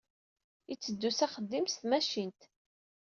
Itteddu s axeddim s tmacint.